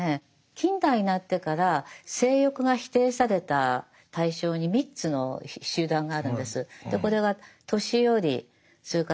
近代になってから性欲が否定された対象に３つの集団があるんです。